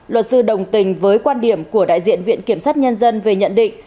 luật sư đồng tình với quan điểm của đại diện viện kiểm sát nhân dân về nhận định